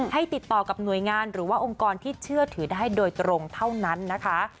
ติดต่อกับหน่วยงานหรือว่าองค์กรที่เชื่อถือได้โดยตรงเท่านั้นนะคะ